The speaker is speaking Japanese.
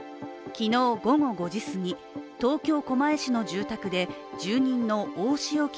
昨日午後５時過ぎ、東京・狛江市の住宅で住人の大塩衣